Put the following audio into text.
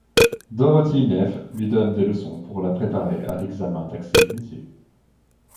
Dorothea Neff lui donne des leçons pour la préparer à l'examen d'accès au métier.